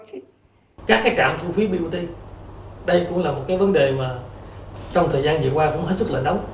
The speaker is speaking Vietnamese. các trạm thu phí bot đây cũng là một cái vấn đề mà trong thời gian vừa qua cũng hết sức là nóng